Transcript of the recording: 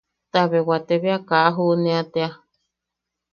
Tabe wate bea ka junea tea.